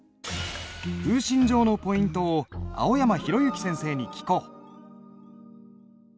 「風信帖」のポイントを青山浩之先生に聞こう。